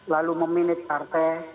lalu memenit partai